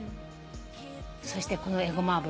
そしてこのえごま油